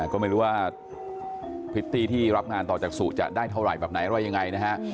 ก็ไม่รู้ว่าพริตตี้ที่รับงานต่อจากสุจะได้เท่าไหร่แบบไหนว่ายังไงนะฮะ